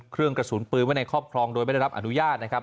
เครื่องกระสุนปืนไว้ในครอบครองโดยไม่ได้รับอนุญาตนะครับ